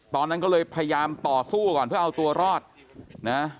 ตอนนั้นก็เลยพยายามต่อสู้ก่อนเพื่อเอาตัวรอดนะ